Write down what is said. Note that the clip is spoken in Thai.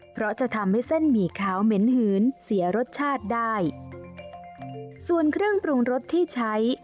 เพราะจะทำให้เส้นหมี่ขาวเหม็นหืนเสียรสชาติได้ส่วนเครื่องปรุงรสที่ใช้